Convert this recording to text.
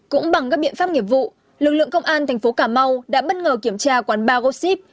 cũng bằng các biện pháp nghiệp vụ lực lượng công an tp cà mau đã bất ngờ kiểm tra quán bargo ship